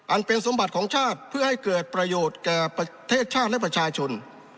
เป็นสมบัติของชาติเพื่อให้เกิดประโยชน์แก่ประเทศชาติและประชาชน